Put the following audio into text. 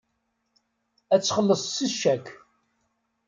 Ad txelleṣ s ccak.